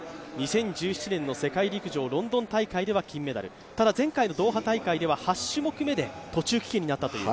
２０１７年の世界陸上ロンドン大会では金メダル、ただ前回のドーハ大会では８種目めで途中棄権という。